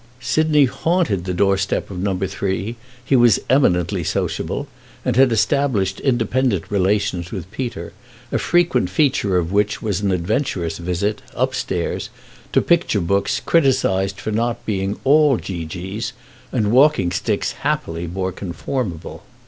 Sidney haunted the doorstep of No. 3 he was eminently sociable, and had established independent relations with Peter, a frequent feature of which was an adventurous visit, upstairs, to picture books criticised for not being all geegees and walking sticks happily more conformable.